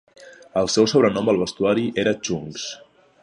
El seu sobrenom al vestuari era Chunks.